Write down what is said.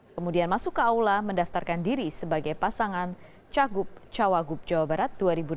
kemudian masuk ke aula mendaftarkan diri sebagai pasangan cagup cawagup jawa barat dua ribu delapan belas dua ribu dua puluh tiga